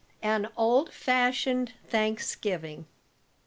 AN OLD FASHIONED THANKSGIVING.